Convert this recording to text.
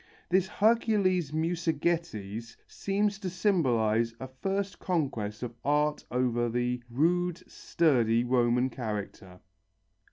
This "Hercules Musagetes" seems to symbolize a first conquest of art over the rude, sturdy Roman character.